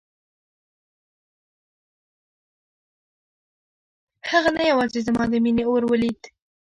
هغه نه یوازې زما د مينې اور ولید.